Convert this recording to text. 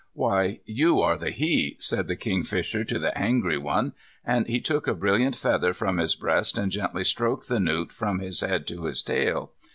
"Why, you are the he," said the Kingfisher to the angry one, and he took a brilliant feather from his breast and gently stroked the newt from his head to his tail.